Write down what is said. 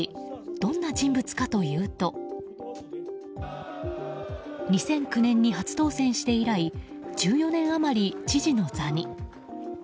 どんな人物かというと２００９年に初当選して以来１４年余り知事の座に。